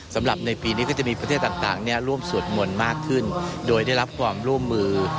สำหรับในปีนี้ก็จะมีประเทศต่างร่วมสวดมนต์มากขึ้นโดยได้รับความร่วมมือ